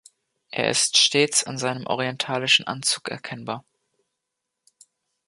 Er ist stets an seinem orientalischen Anzug erkennbar.